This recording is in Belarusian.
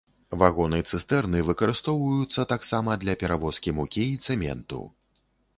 Вагоны-цыстэрны выкарыстоўваюцца таксама для перавозкі мукі і цэменту.